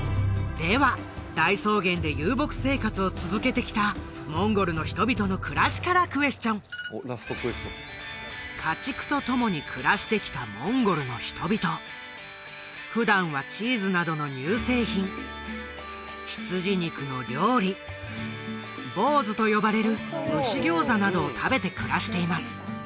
では大草原で遊牧生活を続けてきたモンゴルの人々の暮らしからクエスチョン家畜と共に暮らしてきたモンゴルの人々普段はチーズなどの乳製品羊肉の料理ボーズと呼ばれる蒸し餃子などを食べて暮らしています